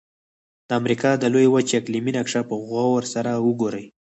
د امریکا د لویې وچې اقلیمي نقشه په غور سره وګورئ.